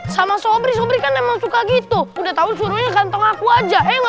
sama sobring sobring kan emang suka gitu udah tahun suruhnya kantong aku aja eh nggak